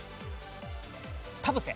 田臥。